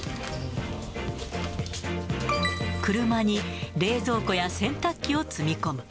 車に冷蔵庫や洗濯機を積み込む。